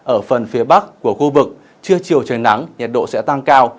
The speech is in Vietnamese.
ở phần phía bắc của khu vực trưa chiều trời nắng nhiệt độ sẽ tăng cao